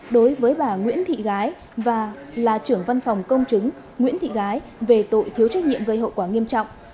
đối với bà nguyễn thị gái và là trưởng văn phòng công chứng nguyễn thị gái về tội thiếu trách nhiệm gây hậu quả nghiêm trọng